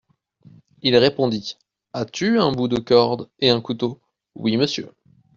Il répondit : As-tu un bout de corde et un couteau ? Oui, monsieur.